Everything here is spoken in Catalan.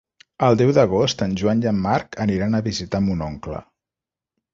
El deu d'agost en Joan i en Marc aniran a visitar mon oncle.